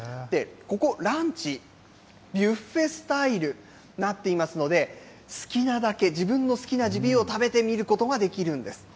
ここランチ、ビュッフェスタイルになっていますので、好きなだけ、自分の好きなジビエを食べてみることができるんです。